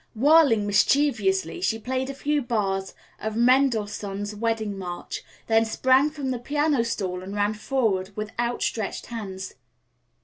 Whirling mischievously she played a few bars of "Mendelsohn's Wedding March," then sprang from the piano stool and ran forward with outstretched hands.